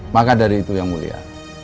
maka dari itu yang mulia